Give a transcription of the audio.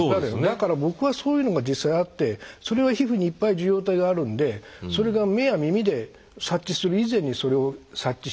だから僕はそういうのが実際あってそれは皮膚にいっぱい受容体があるんでそれが目や耳で察知する以前にそれを察知し危険なものは特に。